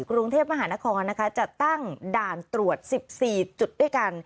กรุงเทพมหานครนะคะจัดตั้งด่านตรวจ๑๔จุดด้วยกัน